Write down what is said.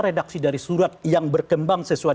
redaksi dari surat yang berkembang sesuai